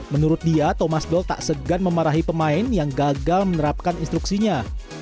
menurut dia thomas doll tak segan memarahi pemain yang gagal menerapkan instruksinya